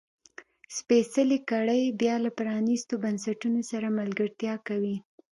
سپېڅلې کړۍ بیا له پرانیستو بنسټونو سره ملګرتیا کوي.